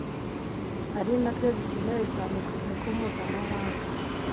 ari nabyo bikenewe cyane ku isoko mpuzamahanga